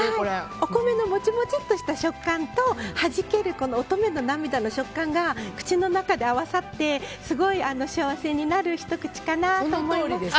お米のモチモチッとした食感とはじける乙女の涙の食感が口の中で合わさってすごい幸せになるひと口かなと思います。